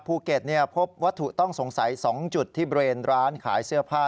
ภูเก็ตพบวัตถุต้องสงสัย๒จุดที่เบรนร้านขายเสื้อผ้า